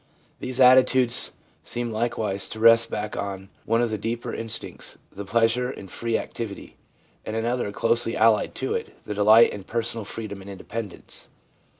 These attitudes seem likewise to rest back on one of the deeper instincts, the pleasure in free activity, and another closely allied to it, the delight in personal freedom and independence.